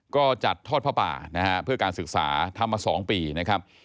ก็จัดทอดผ้าป่านะฮะเพื่อการศึกษาทำมา๒ปีนะครับ